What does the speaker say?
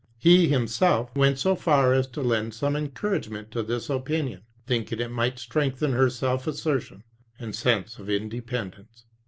He himself went so far as to lend some encouragement to this opinion, thinking it might strengthen her self assertion and sense of independence.